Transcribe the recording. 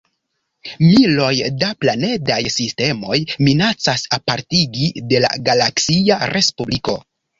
Miloj da planedaj sistemoj minacas apartigi de la galaksia respubliko.